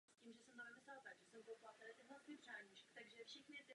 Působil jako předseda hradeckého pivovaru.